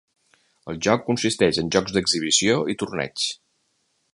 El joc consisteix en jocs d'exhibició i torneigs.